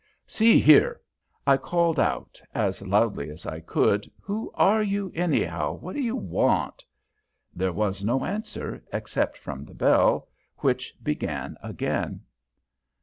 "See here!" I called out, as loudly as I could, "who are you, anyhow. What do you want?" There was no answer, except from the bell, which began again.